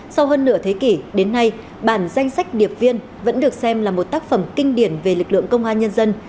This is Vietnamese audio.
sau hơn nửa thế kỷ đến nay bản danh sách điệp viên vẫn được xem là một tác phẩm kinh điển về lực lượng công an nhân dân